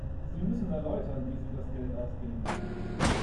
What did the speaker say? Sie müssen erläutern, wie Sie das Geld ausgeben werden.